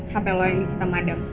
hape lo yang disitam adam